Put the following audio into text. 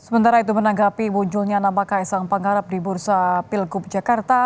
menanggapi munculnya nama ks angpangarep di bursa pilgub jakarta